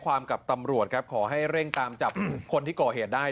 กับตำรวจครับขอให้เร่งตามจับคนที่ก่อเหตุได้